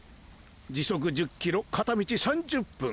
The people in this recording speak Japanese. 時速１０ｋｍ片道３０分。